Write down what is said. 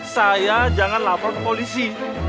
saya jangan lapor ke polisi